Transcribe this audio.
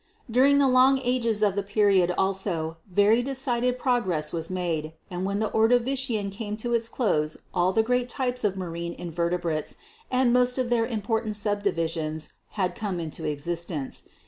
Dur ing the long ages of the period also very decided progress was made, and when the Ordovician came to its close all of the great types of marine invertebrates and most of their more important subdivisions had come into existence.